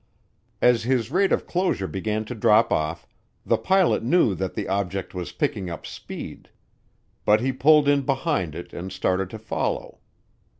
As his rate of closure began to drop off, the pilot knew that the object was picking up speed. But he pulled in behind it and started to follow.